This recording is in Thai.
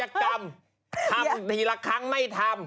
หยัยที่ละครั้งไม่ทำ